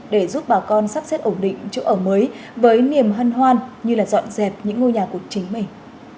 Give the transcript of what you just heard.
để giúp bà con sắp xếp ổn định chỗ ở mới với niềm hân hoan như là dọn dẹp những ngôi nhà của chính mình